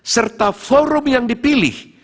serta forum yang dipilih